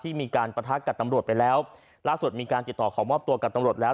มีการประทักกับตำรวจไปแล้วล่าสุดมีการติดต่อขอมอบตัวกับตำรวจแล้ว